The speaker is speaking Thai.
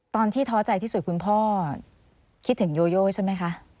ท้อใจที่สุดคุณพ่อคิดถึงโยโย่ใช่ไหมคะ